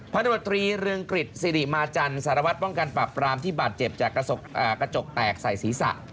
พันธบตรีเรืองกฤษศิริมาจันทร์สารวัตรป้องกันปรับปรามที่บาดเจ็บจากกระจกแตกใส่ศีรษะ